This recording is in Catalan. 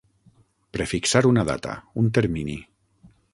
Prefixar una data, un termini.